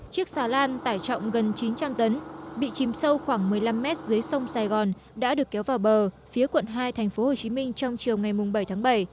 chiếc xà lan tải trọng gần chín trăm linh tấn bị chìm sâu khoảng một mươi năm mét dưới sông sài gòn đã được kéo vào bờ phía quận hai tp hcm trong chiều ngày bảy tháng bảy